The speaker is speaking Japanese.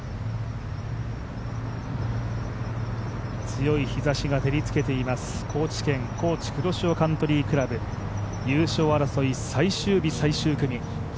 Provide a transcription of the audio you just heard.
強い日ざしが照りつけています、高知県Ｋｏｃｈｉ黒潮カントリークラブ優勝争い、最終日最終組。